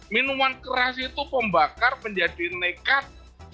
minuman keras itu pembakar menjadi nekat